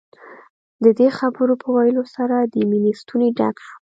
د دې خبرو په ويلو سره د مينې ستونی ډک شو.